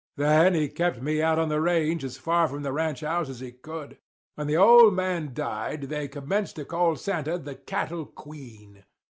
Then he kept me out on the range as far from the ranch house as he could. When the old man died they commenced to call Santa the 'cattle queen.